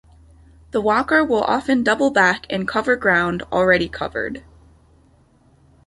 The walker will often double back and cover ground already covered.